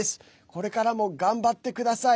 これからも頑張ってください。